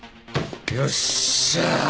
よっしゃー！